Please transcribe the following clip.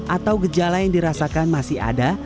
atau gejala yang dirasakan masih ada